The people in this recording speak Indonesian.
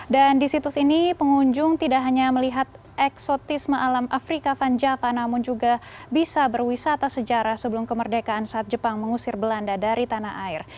dan di situs ini pengunjung tidak hanya melihat eksotisme alam afrika vanjaka namun juga bisa berwisata sejarah sebelum kemerdekaan saat jepang mengusir belanda dari tanah air